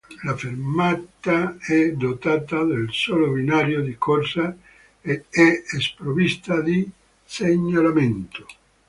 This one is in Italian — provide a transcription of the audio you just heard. La fermata è dotata del solo binario di corsa ed è sprovvista di segnalamento.